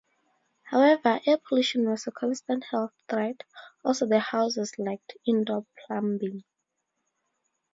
However, air pollution was a constant health threat, also the houses lacked indoor plumbing.